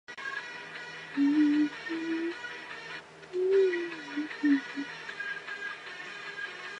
净资产收益率是衡量股东资金使用效率的重要财务指标。